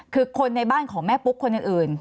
คือคนในบ้านของแม่ปุ๊กคนอื่น